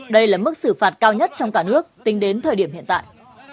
đây là mức xử phạt cao nhất trong cả nước tính đến thời điểm hiện tại